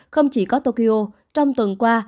không chỉ có tokyo trong tuần qua